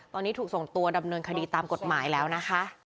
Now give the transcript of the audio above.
ตอนนี้ถูกส่งตัวดำเนินคดีตามกฎหมายแล้วนะคะ